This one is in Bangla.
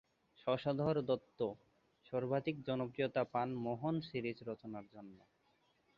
শশধর দত্ত সর্বাধিক জনপ্রিয়তা পান মোহন সিরিজ রচনার জন্য।